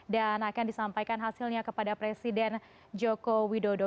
dan akan disampaikan hasilnya kepada presiden joko widodo